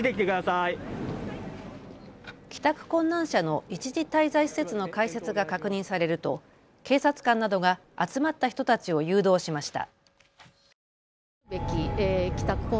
帰宅困難者の一時滞在施設の開設が確認されると警察官などが集まった人たちを誘導しました。